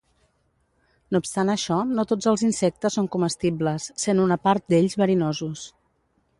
No obstant això, no tots els insectes són comestibles, sent una part d'ells verinosos.